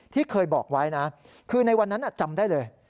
ที่เคยบอกไว้นะคือในวันนั้นจำได้เลย